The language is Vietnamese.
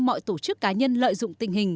mọi tổ chức cá nhân lợi dụng tình hình